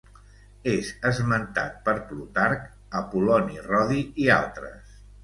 És esmentat per Plutarc, Apol·loni Rodi i altres.